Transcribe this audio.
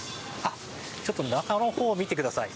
ちょっと中のほうを見てください。